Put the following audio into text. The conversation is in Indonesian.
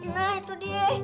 nah itu dia